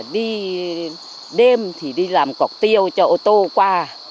đi đêm thì đi làm cọc tiêu cho ô tô qua